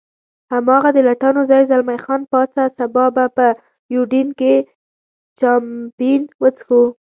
هماغه د لټانو ځای، زلمی خان پاڅه، سبا به په یوډین کې چامپېن وڅښو.